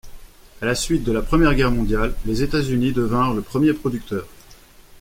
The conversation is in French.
À la suite de la Première Guerre mondiale, les États-Unis devinrent le premier producteur.